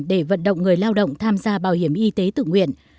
để vận động người lao động tham gia bảo hiểm y tế tự nguyện